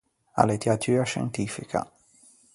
A lettiatua scientifica.